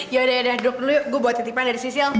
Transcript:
yaudah yaudah duk dulu yuk gue buat titipan dari si sil